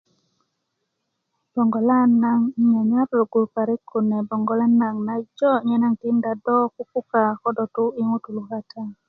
bogolan naŋ 'nnyanyar rogu parik kune a bogolan naŋ najo nyenaŋ do kukuka ko do gboŋ yi ŋutuu kata